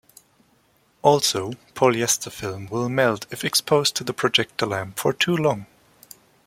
Also, polyester film will melt if exposed to the projector lamp for too long.